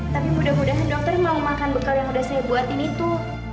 tapi mudah mudahan dokter yang mau makan bekal yang udah saya buatin itu